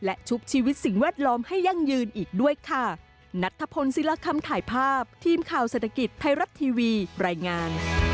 และชุบชีวิตสิ่งแวดล้อมให้ยั่งยืนอีกด้วยค่ะ